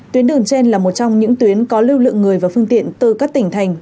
tuyến đường trên là một trong những tuyến có lưu lượng người và phương tiện từ các tỉnh thành